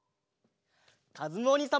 かずむおにいさんも。